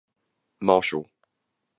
Marshall.